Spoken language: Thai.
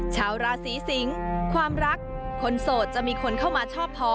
ชาวราศีสิงความรักคนโสดจะมีคนเข้ามาชอบพอ